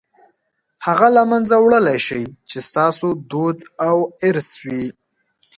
هغه له منځه وړلای شئ چې ستاسو دود او ارث وي.